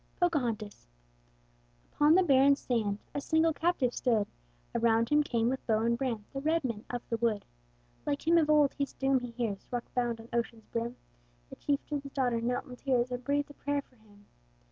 POCAHONTAS Upon the barren sand A single captive stood; Around him came, with bow and brand, The red men of the wood. Like him of old, his doom he hears, Rock bound on ocean's brim The chieftain's daughter knelt in tears, And breathed a prayer for him.